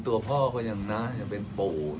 แต่ถ้าเรามีการดูแลเรื่อย